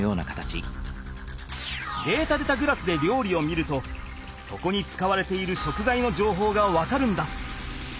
データでたグラスでりょうりを見るとそこに使われている食材のじょうほうが分かるんだ。